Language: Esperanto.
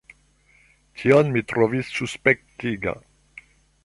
Tion mi trovis suspektiga.